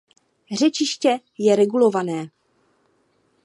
Řečiště je regulované.